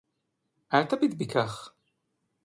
אל תביט בי כך!